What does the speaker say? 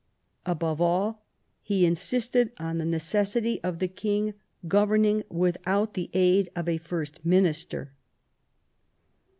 Above all, he insisted on the necessity of the king governing without the aid of a First Minister.